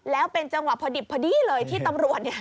แล้วเป็นจังหวะพอดิบพอดีเลยที่ตำรวจเนี่ย